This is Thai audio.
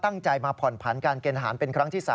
ตั้งใจมาผ่อนผันการเกณฑ์ทหารเป็นครั้งที่๓